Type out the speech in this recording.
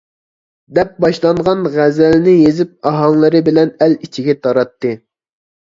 دەپ باشلانغان غەزەلنى يېزىپ ئاھاڭلىرى بىلەن ئەل ئىچىگە تاراتتى.